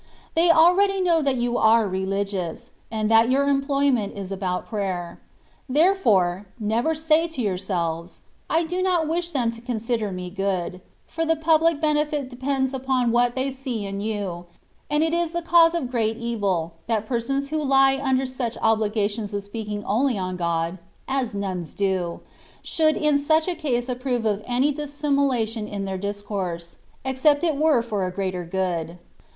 They already know that you are " Religious,^^ and that your employment is about prayer ; therefore, never say to yourselves, "I do not wish them to consider me good/^ for the public benefit depends upon what they see in you ; and it is the cause of great evil, that persons who lie under such obligations of speaking only on God (as nuns do), should in such a case approve of any dissimulation in their discourse, except it were for a greater good.